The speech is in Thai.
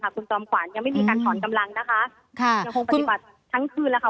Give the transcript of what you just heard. ยังไม่มีการถอนกำลังนะคะค่ะทั้งคืนแล้วค่ะ